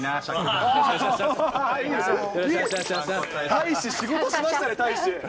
大使、仕事しましたね、大使。